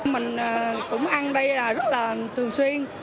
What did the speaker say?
mình cũng ăn đây rất là thường xuyên